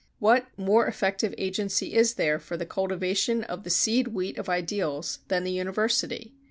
What more effective agency is there for the cultivation of the seed wheat of ideals than the university?